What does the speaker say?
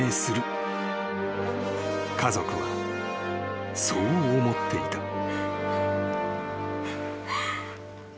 ［家族はそう思っていた］